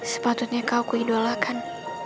sepatutnya kau kuidolakan